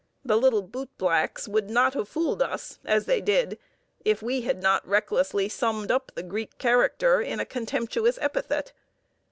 The little bootblacks would not have fooled us as they did if we had not recklessly summed up the Greek character in a contemptuous epithet.